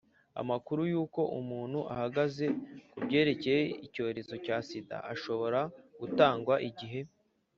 amakuru y’uko umuntu ahagaze ku byerekeye icyorezo cya sida ashobora gutangwa igihe: